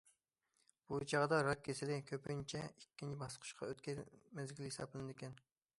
بۇ چاغدا راك كېسىلى كۆپىنچە ئىككىنچى باسقۇچقا ئۆتكەن مەزگىل ھېسابلىنىدىكەن.